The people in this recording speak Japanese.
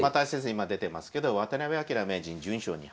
今出てますけど渡辺明名人１２勝２敗。